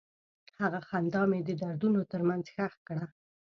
هغه خندا مې د دردونو تر منځ ښخ کړه.